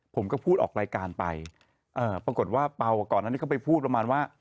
ผมก็พูดออกรายการไปปรากฏว่าเปล่าก่อนอันนี้เขาไปพูดประมาณว่า